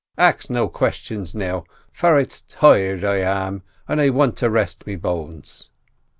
Ax no questions now, for it's tired I am, an' I want to rest me bones."